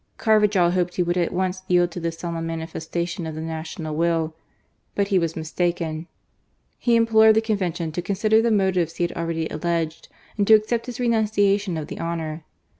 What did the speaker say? Carvajd hoped he would at once yield to this solemn manifestation of the national will. But he was mistaken. He implored the Convention to consider the motives he had already alleged, and to accept his renunciation of the honour.